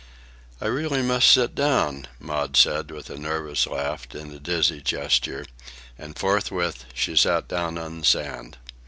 "I really must sit down," Maud said, with a nervous laugh and a dizzy gesture, and forthwith she sat down on the sand.